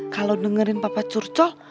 kalau dengerin papa curcol